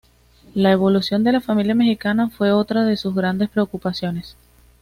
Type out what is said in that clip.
La evolución de la familia mexicana fue otra de sus grandes preocupaciones.